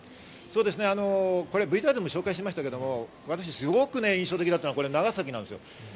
ＶＴＲでも紹介しましたが、すごく印象的だったのは長崎です。